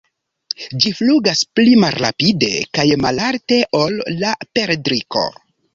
Ĝi flugas pli malrapide kaj malalte ol la perdriko.